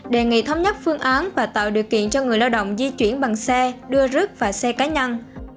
đề nghị thống nhất phương án và tạo điều kiện cho người lao động di chuyển bằng xe đưa rước và xe cá nhân